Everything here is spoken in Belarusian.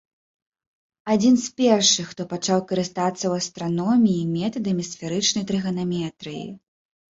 Адзін з першых, хто пачаў карыстацца ў астраноміі метадамі сферычнай трыганаметрыі.